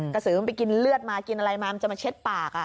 สือมันไปกินเลือดมากินอะไรมามันจะมาเช็ดปาก